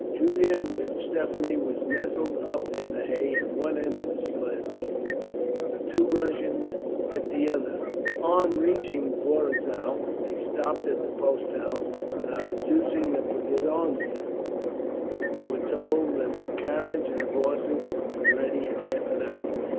Julian with Stephanie were nestled up in the hay at one end of the sledge, the two Russians at the other. On reaching Borizow they stopped at the post house, and on producing the podorojna were told that the carriage and horses would be ready in half an hour.